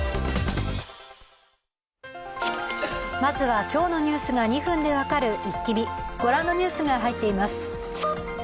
まずは今日のニュースが２分で分かる「イッキ見」ご覧のニュースが入っています。